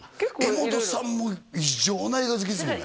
柄本さんも異常な映画好きですよ